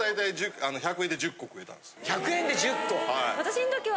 １００円で１０個！